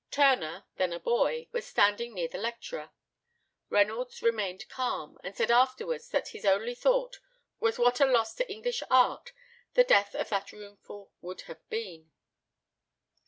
Turner, then a boy, was standing near the lecturer. Reynolds remained calm, and said afterwards that his only thought was what a loss to English art the death of that roomful would have been.